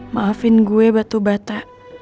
maafin gue batu bata